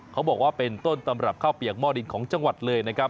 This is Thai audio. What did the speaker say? เขาบอกว่าเป็นต้นตำรับข้าวเปียกหม้อดินของจังหวัดเลยนะครับ